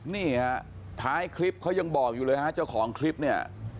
นี่ฮะท้ายคลิปเขายังบอกอยู่เลยฮะเจ้าของคลิปเนี่ย